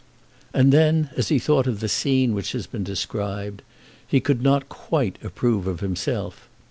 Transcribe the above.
And then, as he thought of the scene which has been described, he could not quite approve of himself.